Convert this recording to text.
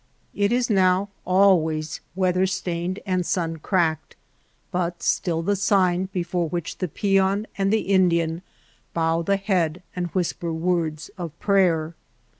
It is now always weather stained and sun cracked, but still the sign before which the peon and the Indian bow the head and whis per words of prayer.